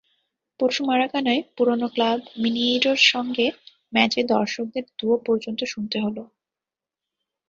পরশু মারাকানায় পুরোনো ক্লাব মিনেইরোর সঙ্গে ম্যাচে দর্শকের দুয়ো পর্যন্ত শুনতে হলো।